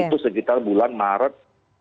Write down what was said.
itu sekitar bulan maret